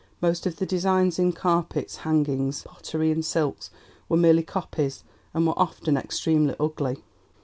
Most of the designs in carpets, hangings, pottery, and silks were merely copies, and were often extremely ugly.